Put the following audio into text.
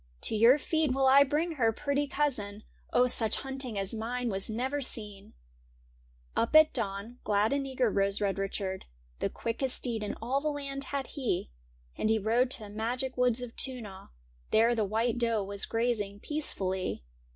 To your feet will I bring her, pretty cousin ; Oh, such hunting as mine was never seen !' Up at dawn, glad and eager, rose Red Richard ; The quickest steed in all the land had he. And he rode to the magic woods of Toonagh — There the white doe was grazing peacefully.